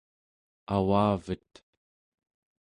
avavet